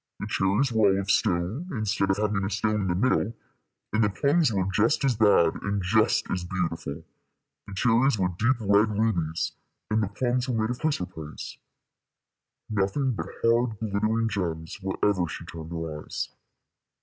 The cherries were all of stone, instead of having a stone in the middle; and the plums were just as bad and just as beautiful the cherries were deep red rubies, and the plums were made of chrysoprase. Nothing but hard glittering gems wherever she turned her eyes.